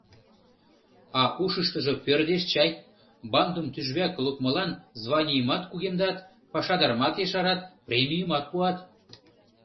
А ушыштыжо пӧрдеш чай: бандым тӱжвак лукмылан званийымат кугемдат, пашадарымат ешарат, премийымат пуат.